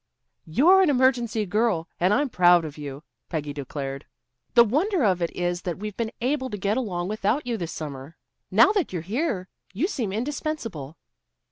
"You're an emergency girl, and I'm proud of you," Peggy declared. "The wonder of it is that we've been able to get along without you this summer. Now that you're here, you seem indispensable."